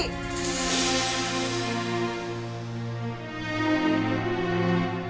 sampai jumpa bu